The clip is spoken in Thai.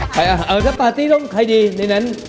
เออถ้าปาร์ตี้ต้องใครดีในนั้น